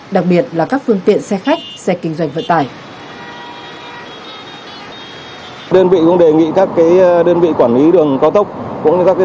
đặc biệt là các phương tiện xe khách xe kinh doanh vận tải